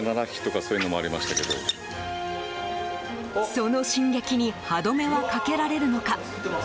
その進撃に歯止めはかけられるのか。